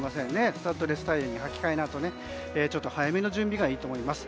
スタッドレスタイヤに履き替えなど早めの準備がいいと思います。